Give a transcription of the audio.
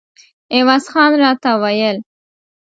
عوض خان راته ویل.